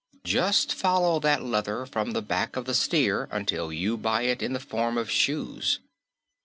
Just follow that leather from the back of the steer until you buy it in the form of shoes.